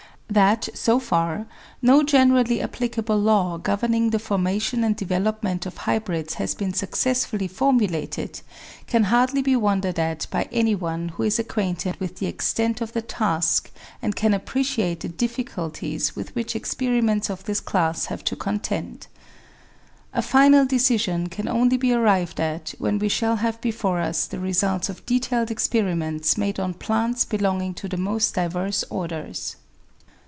That, so far, no generally applicable law governing the formation and development of hybrids has been successfully formu lated can hardly be wondered at by anyone who is acquainted with the extent of the task, and can appreciate the difficulties with which experiments of this class have to contend. A final decision can only be arrived at when we shall have before us the results of detailed experiments made on plants belonging to the most diverse orders.